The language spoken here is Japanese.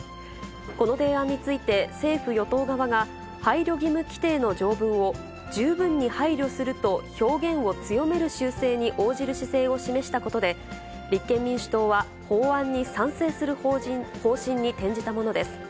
この提案について、政府・与党側が、配慮義務規定の条文を、十分に配慮すると表現を強める修正に応じる姿勢を示したことで、立憲民主党は法案に賛成する方針に転じたものです。